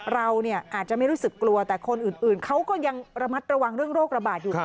เราอาจจะไม่รู้สึกกลัวแต่คนอื่นเขาก็ยังระมัดระวังเรื่องโรคระบาดอยู่